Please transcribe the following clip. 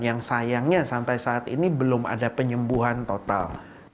yang sayangnya sampai saat ini belum ada penyembuhan total